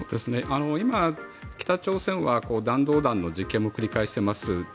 今、北朝鮮は弾道弾の実験も繰り返しています。